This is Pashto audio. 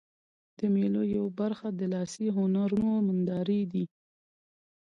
د مېلو یوه برخه د لاسي هنرونو نندارې دي.